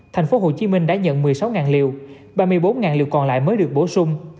thành phố hồ chí minh đã nhận một mươi sáu liều ba mươi bốn liều còn lại mới được bổ sung